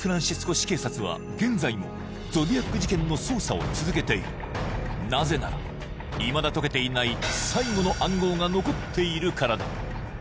市警察は現在もゾディアック事件の捜査を続けているなぜならいまだ解けていない最後の暗号が残っているからだ